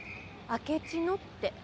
「あけちの」って。